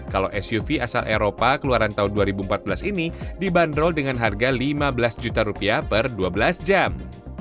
kalau suv asal eropa keluaran tahun dua ribu empat belas ini dibanderol dengan harga lima belas juta rupiah per dua belas jam